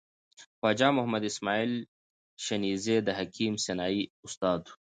خواجه محمد اسماعیل شنیزی د حکیم سنایی استاد و.